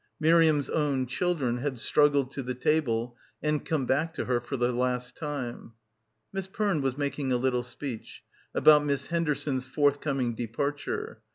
Miriam's own children had struggled to the table and come back to her for the last time. Miss Perne was making a little speech ... about Miss Henderson's forthcoming departure.